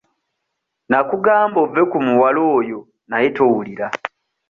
Nnakugamba ove ku muwala oyo naye towulira.